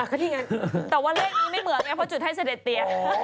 ก็นี่ไงแต่ว่าเลขนี้ไม่เหมือนไงเพราะจุดให้เสด็จเตีย